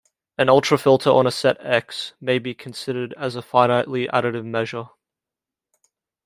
An ultrafilter on a set "X" may be considered as a finitely additive measure.